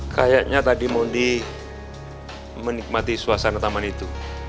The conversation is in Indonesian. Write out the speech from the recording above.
kayaknya tadi mondi menikmati suasana taman itu